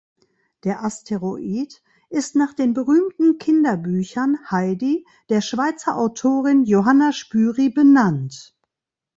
Der Asteroid ist nach den berühmten Kinderbüchern „Heidi“ der Schweizer Autorin Johanna Spyri benannt.